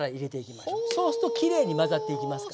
そうするときれいに混ざっていきますから。